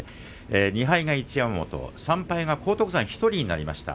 ２敗が一山本３敗が荒篤山１人になりました。